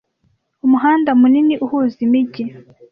'Umuhanda munini' uhuza imijyi